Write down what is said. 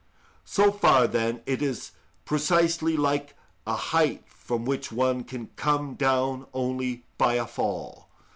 So far, then, it is precisely like a height from which one can come down only by a fall.